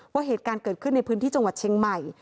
ว่าเหตุการณ์เกิดขึ้นในพื้นที่จังหวัดเชียงใหม่